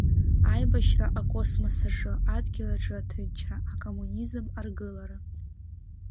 Аибашьра акосмос аҿы, адгьыл аҿы аҭынчра, акоммунизм аргылара.